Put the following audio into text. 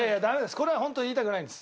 これはホント言いたくないんです。